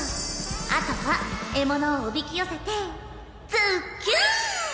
あとは獲物をおびき寄せてズッキューン！